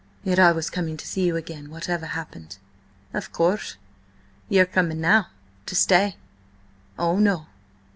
"Yet I was coming to see you again whatever happened." "Of course. Ye are coming now–to stay." "Oh no!"